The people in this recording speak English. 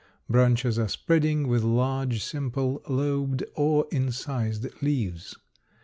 Branches are spreading, with large, simple, lobed or incised leaves.